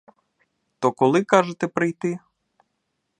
То коли, кажете, прийти?